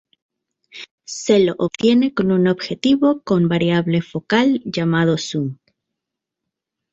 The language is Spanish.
Se lo obtiene con un objetivo con variable focal llamado zoom.